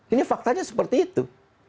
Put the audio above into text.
ini faktanya seperti itu